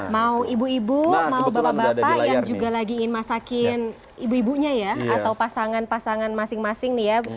mau ibu ibu mau bapak bapak yang juga lagi ingin masakin ibu ibunya ya atau pasangan pasangan masing masing nih ya